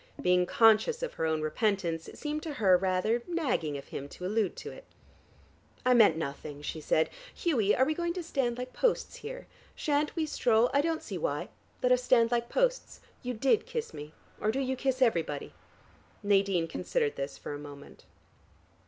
Being conscious of her own repentance, it seemed to her rather nagging of him to allude to it. "I meant nothing," she said. "Hughie, are we going to stand like posts here? Shan't we stroll " "I don't see why: let us stand like posts. You did kiss me. Or do you kiss everybody?" Nadine considered this for a moment.